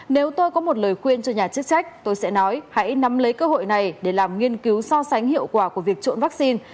nếu tôi có một lời khuyên cho nhà chức trách tôi sẽ nói hãy nắm lấy cơ hội này để làm nghiên cứu so sánh hiệu quả của việc trộn vaccine